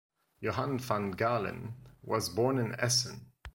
Johan van Galen was born in Essen.